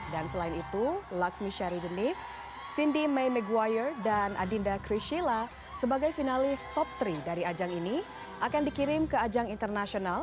dan selain itu laksmi syaridenif cindy may maguire dan adinda krishila sebagai finalis top tiga dari ajang ini akan dikirim ke ajang internasional